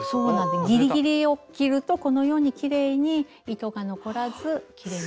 ギリギリを切るとこのようにきれいに糸が残らずきれいに。